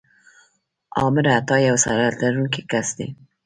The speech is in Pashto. آمر اعطا یو صلاحیت لرونکی کس دی.